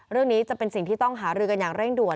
เรื่องนี้จะเป็นสิ่งที่ต้องหารือกันอย่างเร่งด่วน